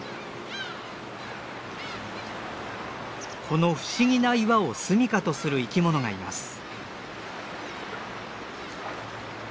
この不思議な岩をすみかとする生き物がいます。